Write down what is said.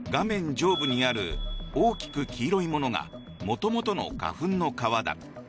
上部にある大きく黄色いものがもともとの花粉の皮だ。